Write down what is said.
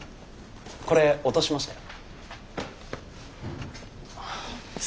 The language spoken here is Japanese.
これ落としましたよ。